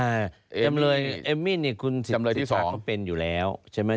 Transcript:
อ่าจำเลยเอมมี่เนี่ยคุณศิษย์ศิษย์ภาคก็เป็นอยู่แล้วใช่ไหม